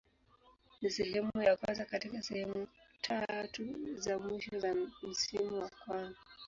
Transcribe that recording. Ni sehemu ya kwanza katika sehemu tatu za mwisho za msimu wa kwanza.